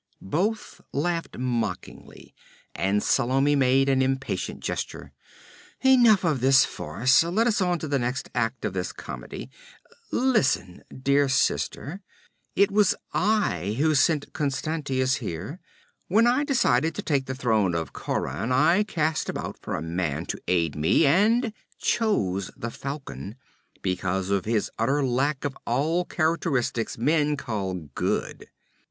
Both laughed mockingly, and Salome made an impatient gesture. 'Enough of this farce; let us on to the next act in the comedy. Listen, dear sister: it was I who sent Constantius here. When I decided to take the throne of Khauran, I cast about for a man to aid me, and chose the Falcon, because of his utter lack of all characteristics men call good.'